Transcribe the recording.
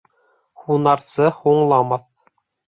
Һунарсы һуңламаҫ.